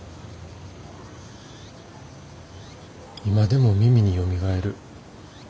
今でも耳によみがえる。